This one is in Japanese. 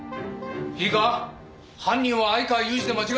いいか犯人は相川裕治で間違いない。